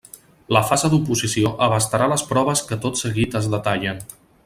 La fase d'oposició abastarà les proves que tot seguit es detallen.